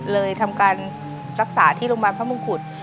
เลยทำการรักษาที่โรงพยาบาลพระมงกุฎ